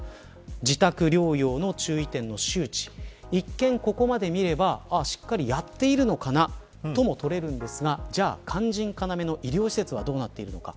自宅療養の注意点の周知一見、ここまで見ればしっかりやっているのかなともとれますがじゃあ、肝心の医療施設はどうなっているのか。